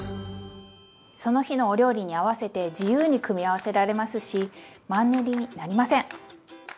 その日のお料理に合わせて自由に組み合わせられますしマンネリになりません！